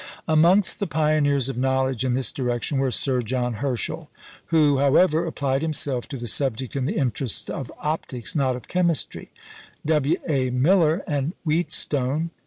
Amongst the pioneers of knowledge in this direction were Sir John Herschel who, however, applied himself to the subject in the interests of optics, not of chemistry W. A. Miller, and Wheatstone.